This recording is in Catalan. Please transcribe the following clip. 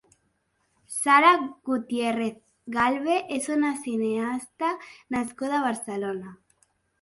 Sara Gutiérrez Galve és una cineasta nascuda a Barcelona.